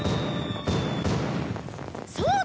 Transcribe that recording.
そうだ！